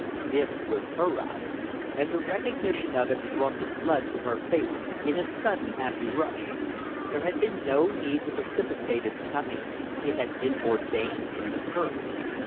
This was her hour: and the recognition of it brought the blood to her face in a sudden, happy rush. There had been no need to precipitate its coming; it had been ordained from the first.